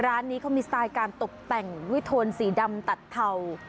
ร้านนี้เขามีสไตล์การตกแต่งวิโทนสีดำตัดเทา